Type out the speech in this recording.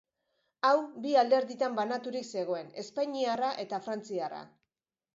Hau bi alderditan banaturik zegoen: espainiarra eta frantziarra.